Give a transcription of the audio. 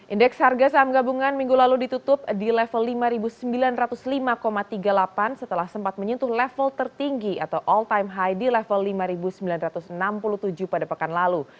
indeks harga saham gabungan minggu lalu ditutup di level lima sembilan ratus lima tiga puluh delapan setelah sempat menyentuh level tertinggi atau all time high di level lima sembilan ratus enam puluh tujuh pada pekan lalu